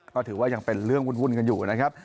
ก็ถือว่ายังเป็นเรื่องวุ่นกันอยู่นะครับ